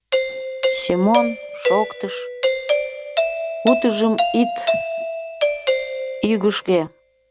— Семон, — шоктыш, — утыжым ит йыгыжге.